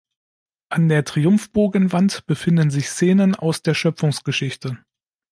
An der Triumphbogenwand befinden sich Szenen aus der Schöpfungsgeschichte.